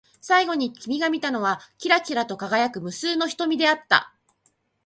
最後に君が見たのは、きらきらと輝く無数の瞳であった。